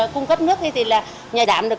cung cấp nước thì là nhà đảm được